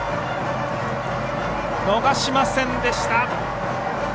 逃しませんでした。